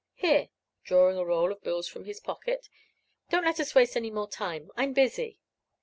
Here," drawing; a roll of bills from his pocket, "don't let us waste any more time. I'm busy."